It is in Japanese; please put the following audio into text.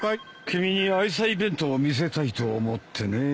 君に愛妻弁当を見せたいと思ってね。